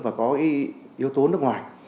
và có yếu tố nước ngoài